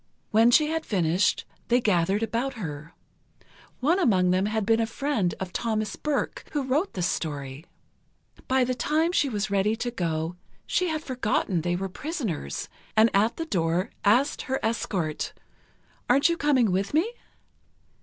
When she had finished, they gathered about her. One among them had been a friend of Thomas Burke, who wrote the story. By the time she was ready to go, she had forgotten they were prisoners, and at the door asked her escort: "Aren't you coming with me?"